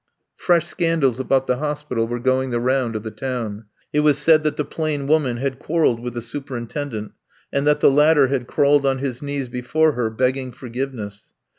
Fresh scandals about the hospital were going the round of the town. It was said that the plain woman had quarrelled with the superintendent, and that the latter had crawled on his knees before her begging forgiveness.